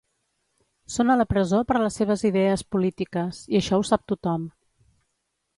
Són a la presó per les seves idees polítiques, i això ho sap tothom.